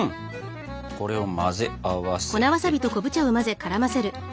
これを混ぜ合わせてと。